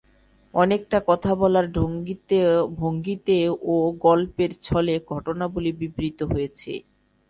অনেকটা কথা বলার ভঙ্গিতে ও গল্পের ছলে ঘটনাবলী বিবৃত হয়েছে।